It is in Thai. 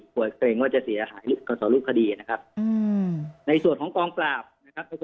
เกรงว่าจะเสียหายต่อรูปคดีนะครับในส่วนของกองปราบนะครับ